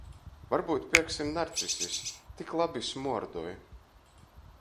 Varbyut pierksim narcisis — tik labi smuordoj!